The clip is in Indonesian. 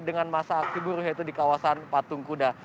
dan masa aksi buruh yaitu di kawasan patung kuda